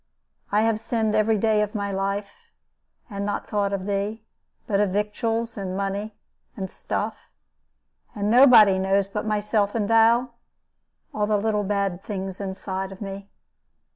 I have sinned every day of my life, and not thought of Thee, but of victuals, and money, and stuff; and nobody knows, but myself and Thou, all the little bad things inside of me.